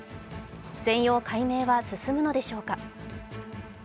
全容解明は進むのでしょうか。